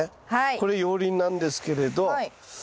これ熔リンなんですけれど。